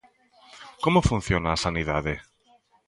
Como funciona a sanidade?